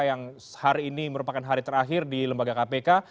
yang hari ini merupakan hari terakhir di lembaga kpk